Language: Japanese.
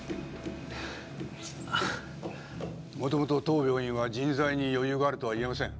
元々当病院は人材に余裕があるとはいえません